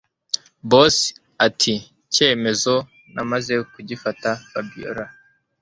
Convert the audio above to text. Boss atiicyemezo namaze kugifata Fabiora